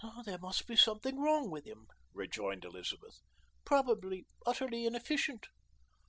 "There must be something wrong with him," rejoined Elizabeth; "probably utterly inefficient."